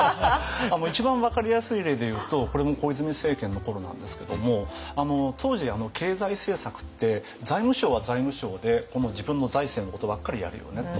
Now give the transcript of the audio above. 一番分かりやすい例でいうとこれも小泉政権の頃なんですけども当時経済政策って財務省は財務省で自分の財政のことばっかりやるよねと。